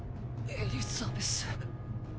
エリザベス！